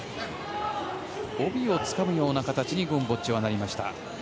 帯をつかむような形にゴムボッチはなりました。